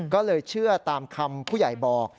ก็เลยเชื่อตามคำผู้ใหญ่บอก